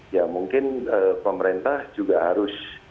ya mungkin pemerintah juga harus